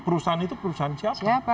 perusahaan itu perusahaan siapa